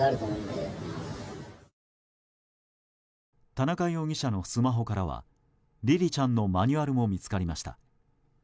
田中容疑者のスマホからはりりちゃんのマニュアルも見つかりました。